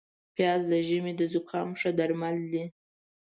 پیاز د ژمي د زکام ښه درمل دي